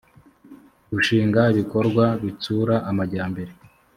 gushinga ibikorwa bitsura amajyambere